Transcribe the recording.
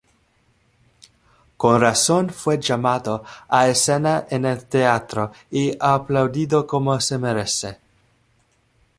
Con razón fue llamado a escena en el teatro y aplaudido como se merece.